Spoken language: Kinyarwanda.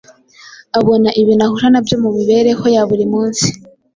abona ibintu ahura na byo mu mibereho ya buri munsi.